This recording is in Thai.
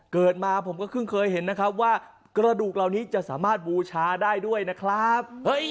เกิดมาผมเคยเห็นว่ากระดูกเราจะสามารถบูชาได้ด้วยนะครับ